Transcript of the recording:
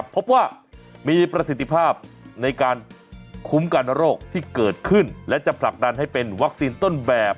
พบว่ามีประสิทธิภาพในการคุ้มกันโรคที่เกิดขึ้นและจะผลักดันให้เป็นวัคซีนต้นแบบ